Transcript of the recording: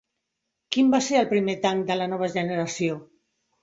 Quin va ser el primer tanc de la nova generació?